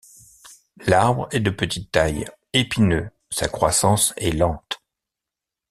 L'arbre est de petite taille, épineux, sa croissance est lente.